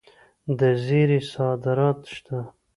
د زیرې صادرات شته.